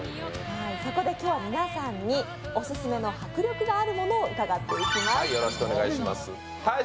そこで今日は皆さんにオススメの迫力があるものを伺っていきます。